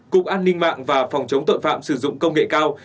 cục an ninh mạng và phòng chống tội phạm sử dụng công nghệ cao